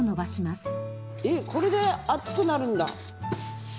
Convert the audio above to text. えっこれで熱くなるんだ。